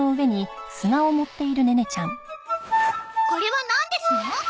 これはなんですの？